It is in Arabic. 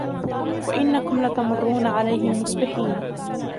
وَإِنَّكُمْ لَتَمُرُّونَ عَلَيْهِمْ مُصْبِحِينَ